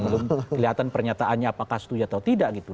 belum kelihatan pernyataannya apakah setuju atau tidak gitu